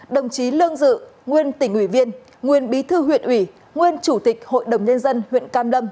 đồng chí lương dự nguyên tỉnh ủy viên nguyên bí thư huyện ủy nguyên chủ tịch hội đồng nhân dân huyện cam lâm